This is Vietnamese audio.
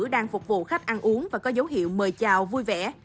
đang phục vụ khách ăn uống và có dấu hiệu mời chào vui vẻ